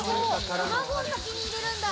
卵を先に入れるんだ。